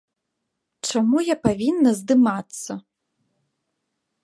Чаму я павінна здымацца?